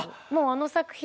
あの作品